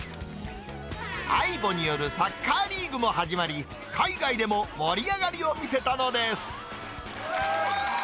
ＡＩＢＯによるサッカーリーグも始まり、海外でも盛り上がりを見せたのです。